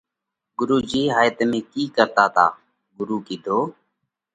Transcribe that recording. “ڳرُو جِي هائي تمي ڪِي ڪرتا تا؟ ڳرُو ڪِيڌو: